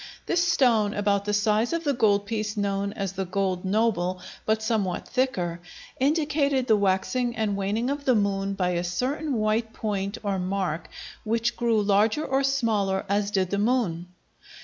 This stone, about the size of the gold piece known as the gold noble, but somewhat thicker, indicated the waxing and waning of the moon by a certain white point or mark which grew larger or smaller as did the moon.